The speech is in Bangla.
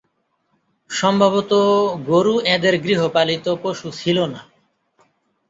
সম্ভবত গরু এদের গৃহপালিত পশু ছিল না।